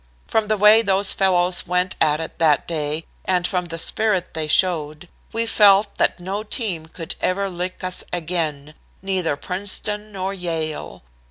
From the way those fellows went at it that day, and from the spirit they showed, we felt that no team could ever lick us again, neither Princeton nor Yale.